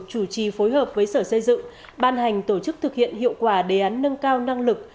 chủ trì phối hợp với sở xây dựng ban hành tổ chức thực hiện hiệu quả đề án nâng cao năng lực